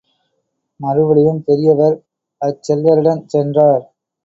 மறுபடியும் பெரியவர் அச்செல்வரிடஞ் சென்றார்.